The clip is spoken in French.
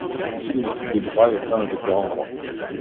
Il fit des études de droit et obtint le doctorat en droit.